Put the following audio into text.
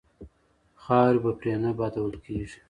خاورې به پرې نه بادول کیږي.